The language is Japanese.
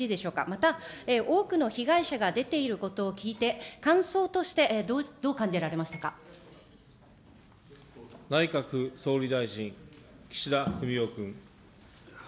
また多くの被害者が出ていることを聞いて、感想として、どう感じ内閣総理大臣、岸田文雄君。